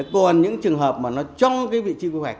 còn những trường hợp mà nó trong cái vị trí quy hoạch